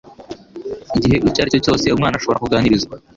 igihe icyo ari cyo cyose umwana ashobora kuganirizwa